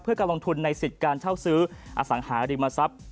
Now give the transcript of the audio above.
เพื่อการลงทุนในสิทธิ์การเช่าซื้ออสังหาริมทรัพย์